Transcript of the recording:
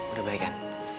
udah baik kan